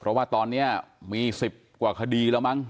เพราะว่าตอนนี้มี๑๐กว่าคดีแล้วมั้ง